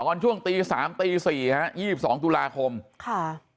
ตอนช่วงตี๓ตี๔ฮะ๒๒ทุลาคมค่ะ